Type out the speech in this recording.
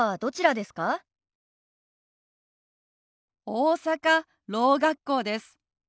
大阪ろう学校です。